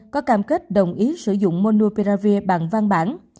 cách đồng ý sử dụng monopiravir bằng văn bản